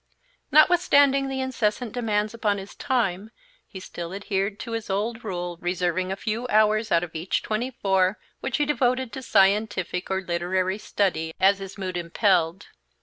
Notwithstanding the incessant demands upon his time, he still adhered to his old rule, reserving a few hours out of each twenty four, which he devoted to scientific or literary study, as his mood impelled.